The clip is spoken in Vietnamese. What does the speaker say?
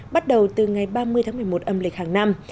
bắt đầu từ ngày ba mươi tháng một mươi một âm lịch hàng năm